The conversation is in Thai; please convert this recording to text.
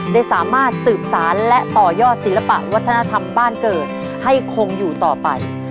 ได้สามารถสืบสารและต่อยอดศิลปะวัฒนธรรมบ้านเกิดให้คงอยู่ต่อไป